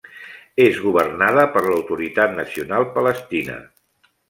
És governada per l'Autoritat Nacional Palestina.